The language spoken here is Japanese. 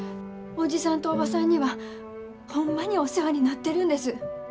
おじさんとおばさんにはホンマにお世話になってるんです。